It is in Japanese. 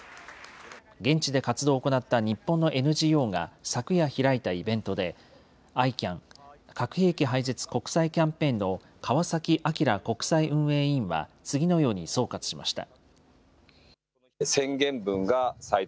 現地で活動を行った日本のＮＧＯが昨夜開いたイベントで、ＩＣＡＮ・核兵器廃絶国際キャンペーンの川崎哲国際運営委員は次のように総括しました。